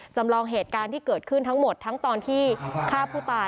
จำลองเหตุการณ์ที่เกิดขึ้นทั้งหมดทั้งตอนที่ฆ่าผู้ตาย